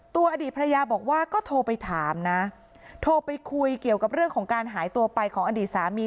อดีตภรรยาบอกว่าก็โทรไปถามนะโทรไปคุยเกี่ยวกับเรื่องของการหายตัวไปของอดีตสามี